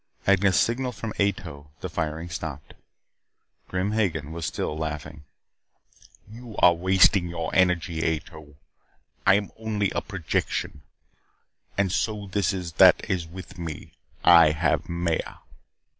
At a signal from Ato, the firing stopped. Grim Hagen was still laughing. "You are wasting your energy, Ato. I am only a projection. And so is this that is with me. I have Maya."